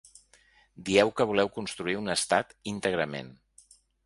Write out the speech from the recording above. Dieu que voleu construir un estat íntegrament.